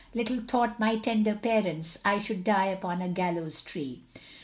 Little thought my tender parents, I should die upon a gallows tree.